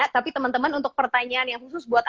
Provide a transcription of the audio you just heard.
tapi temen temen untuk pertanyaan yang khusus buat